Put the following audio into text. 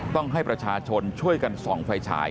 ต้องให้ประชาชนช่วยกันส่องไฟฉาย